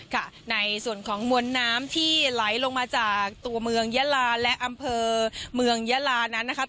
ค่ะในส่วนของมวลน้ำที่ไหลลงมาจากตัวเมืองยะลาและอำเภอเมืองยะลานั้นนะคะ